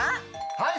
はい。